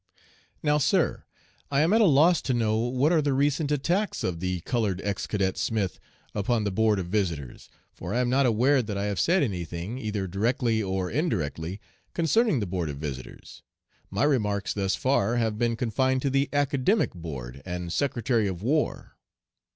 "Now, sir, I am at a loss to know what are 'the recent attacks of the colored ex Cadet Smith upon the Board of Visitors,' for I am not aware that I have said any thing, either directly or indirectly, concerning the Board of Visitors. My remarks thus far have been confined to the Academic Board and Secretary of War.